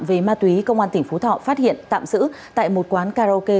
về ma túy công an tỉnh phú thọ phát hiện tạm giữ tại một quán karaoke